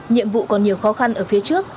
nhiệm vụ còn nhiều khó khăn ở phía trước